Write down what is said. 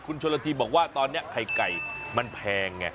คุณชนละทีบอกว่าตอนนี้ไข่ไก่มันแพงไง